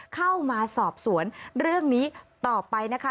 เข้ามาสอบสวนเรื่องนี้ต่อไปนะคะ